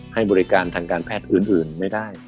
ให้บริการทางการแพทย์อื่นไม่ได้